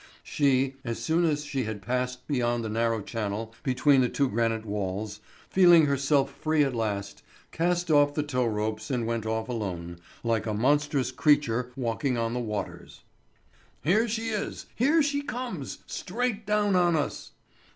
She, as soon as she had passed beyond the narrow channel between the two granite walls, feeling herself free at last, cast off the tow ropes and went off alone, like a monstrous creature walking on the waters. "Here she is—here she comes, straight down on us!"